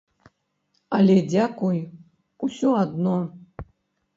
Але дзякуй усё адно.